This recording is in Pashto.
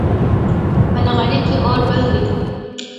په نغري کې اور بل دی